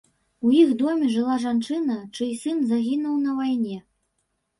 У іх доме жыла жанчына, чый сын загінуў на вайне.